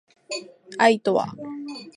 愛とは